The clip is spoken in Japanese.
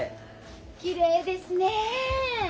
きれいですね。